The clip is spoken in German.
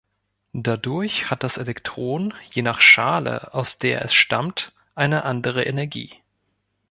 Dadurch hat das Elektron je nach Schale, aus der es stammt, eine andere Energie.